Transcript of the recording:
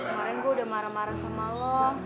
kemarin gue udah marah marah sama lo